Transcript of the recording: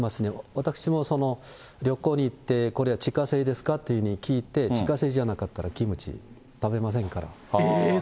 私も旅行に行って、これは自家製ですかっていうふうに聞いて、自家製じゃなかったら、キムチ、えー！